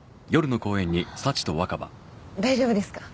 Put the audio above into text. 大丈夫ですか？